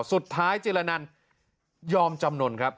สุดท้ายจิละนันท์ยอมจำนวนครับ